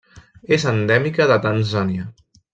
És endèmica de Tanzània.